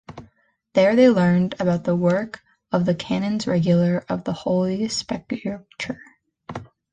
There they learned about the work of the Canons Regular of the Holy Sepulchre.